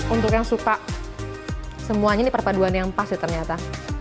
untuk yang suka semuanya ini perpaduan yang pas sih ternyata